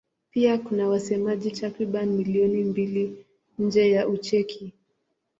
Pia kuna wasemaji takriban milioni mbili nje ya Ucheki.